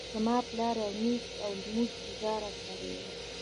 زما پلار یو نیک او لمونځ ګذاره سړی ده